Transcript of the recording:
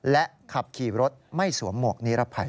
และขับขี่รถไม่สวมหมวกนิรภัย